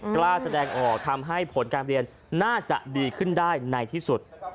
กล้าแสดงออกทำให้ผลการเรียนน่าจะดีขึ้นได้ในที่สุด